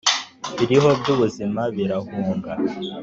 ibiriho byubuzima birahunga